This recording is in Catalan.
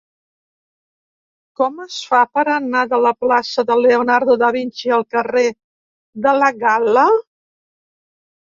Com es fa per anar de la plaça de Leonardo da Vinci al carrer de la Galla?